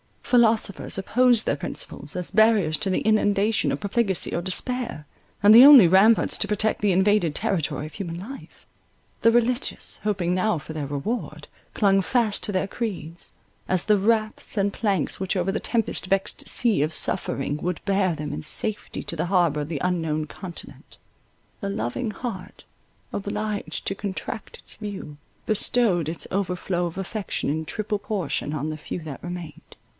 Philosophers opposed their principles, as barriers to the inundation of profligacy or despair, and the only ramparts to protect the invaded territory of human life; the religious, hoping now for their reward, clung fast to their creeds, as the rafts and planks which over the tempest vexed sea of suffering, would bear them in safety to the harbour of the Unknown Continent. The loving heart, obliged to contract its view, bestowed its overflow of affection in triple portion on the few that remained.